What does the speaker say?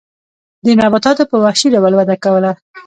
دې نباتاتو په وحشي ډول وده کوله.